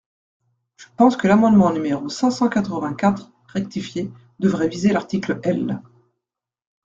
Je pense que l’amendement numéro cinq cent quatre-vingt-quatre rectifié devrait viser l’article L.